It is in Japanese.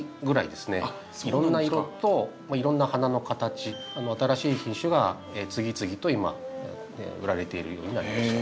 いろんな色といろんな花の形新しい品種が次々と今売られているようになりました。